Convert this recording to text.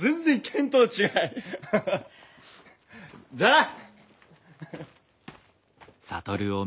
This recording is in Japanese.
じゃあな！